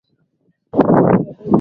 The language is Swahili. mabaharia tisa ikiwa njiani kuelekea